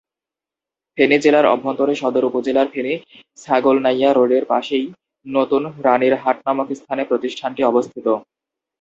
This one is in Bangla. ফেনী জেলার অভ্যন্তরে সদর উপজেলার ফেনী-ছাগলনাইয়া রোডের পাশেই নতুন রানীর হাট নামক স্থানে প্রতিষ্ঠানটি অবস্থিত।